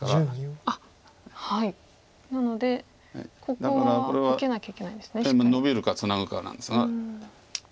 だからこれはノビるかツナぐかなんですが。